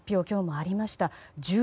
今日もありました。